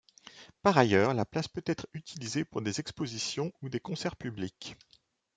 Par ailleurs, la place peut être utilisée pour des expositions ou des concerts publics.